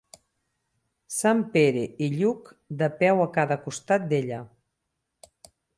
Sant Pere i Lluc de peu a cada costat d'ella.